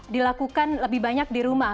dilakukan lebih banyak di rumah